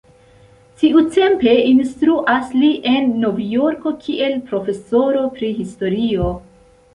Tiutempe instruas li en Novjorko kiel profesoro pri historio.